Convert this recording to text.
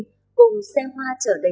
cùng xe hoa trở đầy mùa thu hà nội